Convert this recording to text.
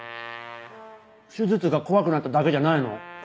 手術が怖くなっただけじゃないの？